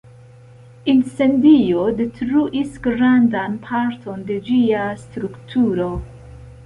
Incendio detruis grandan parton de ĝia strukturo.